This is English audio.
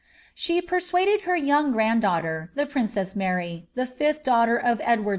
She nnaded her younff grand daughter, the princess Mary, the fifth daugfa r of Edward ].